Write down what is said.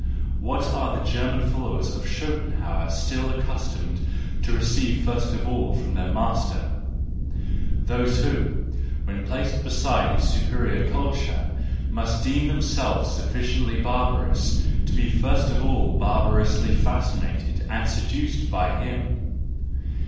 What are the German followers of Schopenhauer still accustomed to receive first of all from their master : —those who, when placed beside his superior culture, must deem themselves sufficiently barbarous to be first of all barbarously fascinated and seduced by him.